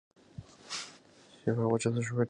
郭安娜曾被选为第六届全国政协委员。